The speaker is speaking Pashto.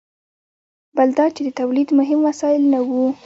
بل دا چې د تولید مهم وسایل نه وو.